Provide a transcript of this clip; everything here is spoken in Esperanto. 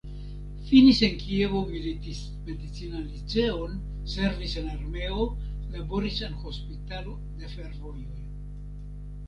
Finis en Kievo militist-medicinan liceon, servis en armeo, laboris en hospitalo de fervojoj.